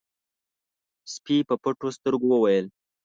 سپي په پټو سترګو وويل: